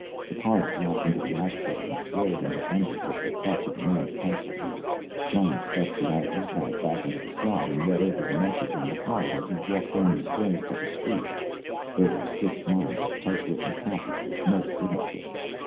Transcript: The card dropped into the ash tray and flared into embers at the touch of the man's pencil heater. Jon stuffed the ID tag back into the slot and read over the message on the card as he walked down the stairs to the street. There were six lines of typewritten copy with no signature.